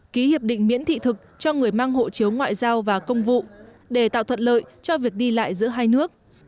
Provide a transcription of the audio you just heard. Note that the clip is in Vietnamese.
ký hiệp định miễn thị thực cho người mang hộ chiếu ngoại giao và công vụ để tạo thuận lợi cho việc đi lại giữa hai nước